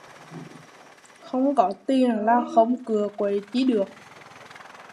Không có tiền là không cựa quậy chi được